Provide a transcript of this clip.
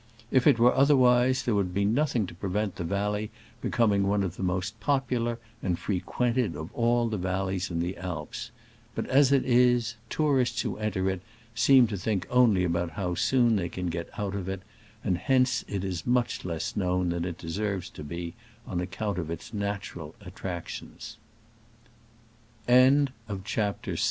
If it were otherwise there would be nothing to prevent the valley becoming one of the most popu lar and frequented of all the valleys in the Alps ; but as it is, tourists who enter it seem to think only about how soon they can get out of it, and hence it is much less known than it deserves to be on account of its natural